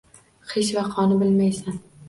Hech vaqoni bilmaysan.